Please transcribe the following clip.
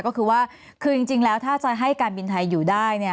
ก็คือว่าคือจริงแล้วถ้าจะให้การบินไทยอยู่ได้